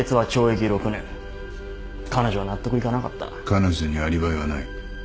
彼女にアリバイはない。